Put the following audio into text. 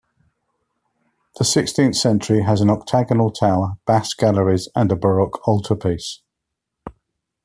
The sixteenth century has an octagonal tower, Basque galleries and a Baroque altarpiece.